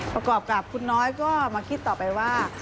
ประกอบกับคุณน้อยก็มาคิดต่อไปว่า